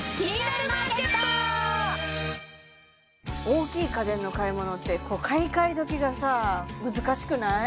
大きい家電の買い物って買い替え時が難しくない？